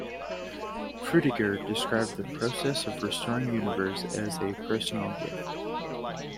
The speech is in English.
Frutiger described the process of restoring Univers as a personal gift.